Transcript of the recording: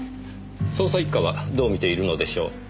捜査一課はどう見ているのでしょう？